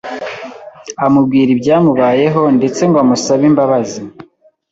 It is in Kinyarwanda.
amubwira ibyamubayeho ndetse ngo amusabe imbabazi